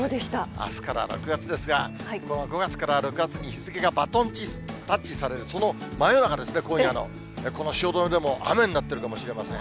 あすから６月ですが、５月から６月に日付がバトンタッチされる、その真夜中ですね、今夜の、この汐留でも雨になっているかもしれません。